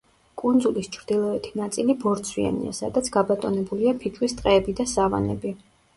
კუნძულის ჩრდილოეთი ნაწილი ბორცვიანია, სადაც გაბატონებულია ფიჭვის ტყეები და სავანები.